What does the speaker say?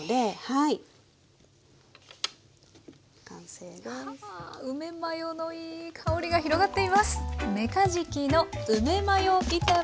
はあ梅マヨのいい香りが広がっています。